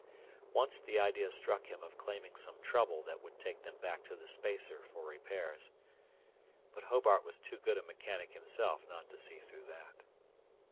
Once the idea struck him of claiming some trouble that would take them back to the spacer for repairs. But Hobart was too good a mechanic himself not to see through that.